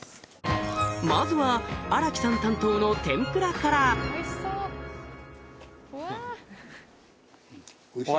まずは新木さん担当の天ぷらからよかった。